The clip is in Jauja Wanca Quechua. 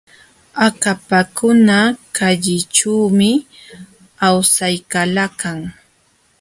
Akapakuna kallićhuumi awsaykalakan.